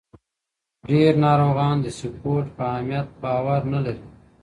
ډېر ناروغان د سپورت په اهمیت باور نه لري.